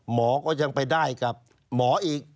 หมอก็ยังไปได้กับหมออีก